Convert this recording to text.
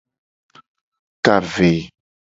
Ka ve.